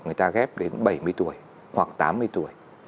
người ta ghép đến bảy mươi tuổi hoặc tám mươi tuổi